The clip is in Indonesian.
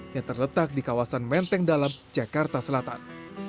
yang terletak di kawasan menteng dalam jakarta selatan